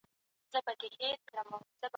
ژوند د یوه سفر په څېر دی.